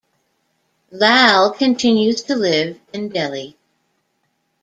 Lal continues to live in Delhi.